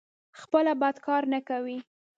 خپله بد کار نه کوي.